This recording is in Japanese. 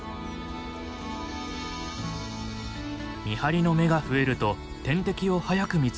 見張りの目が増えると天敵を早く見つけることができます。